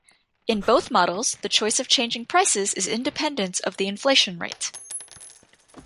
In both models the choice of changing prices is independent of the inflation rate.